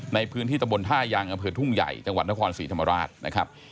ในพื้นที่ตะบนท่ายางอำเภอทุ่งใหญ่จังหวัดนครศรีธรรมราชนะครับ